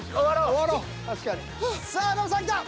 さあノブさん来た。